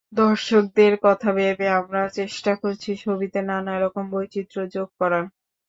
দর্শকদের কথা ভেবে আমরাও চেষ্টা করছি ছবিতে নানারকম বৈচিত্র্য যোগ করার।